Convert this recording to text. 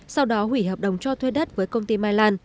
sau đó hủy hợp đồng cho thuê đất với công ty mai lan